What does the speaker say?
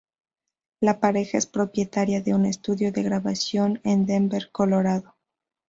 La pareja es propietaria de un estudio de grabación en Denver, Colorado.